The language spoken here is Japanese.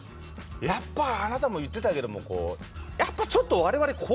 やっぱあなたも言ってたけどもやっぱちょっと我々怖いじゃないですか。